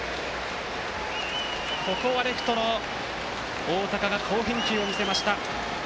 ここはレフト、大高が好返球を見せました。